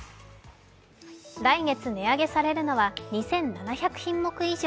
来月値上げされるのは２７００品目以上。